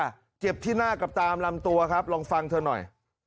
เจ็บที่หน้ากับตามลำตัวครับลองฟังเธอหน่อย